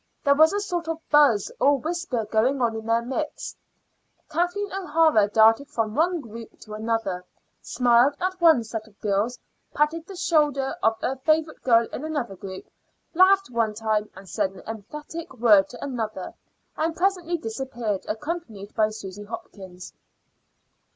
There was a sort of buzz or whisper going on in their midst. Kathleen O'Hara darted from one group to another, smiled at one set of girls, patted the shoulder of a favorite girl in another group, laughed one time, said an emphatic word to another, and presently disappeared, accompanied by Susy Hopkins.